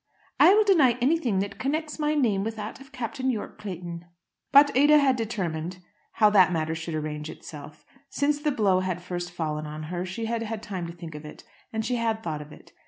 "I will deny anything that connects my name with that of Captain Yorke Clayton." But Ada had determined how that matter should arrange itself. Since the blow had first fallen on her, she had had time to think of it, and she had thought of it.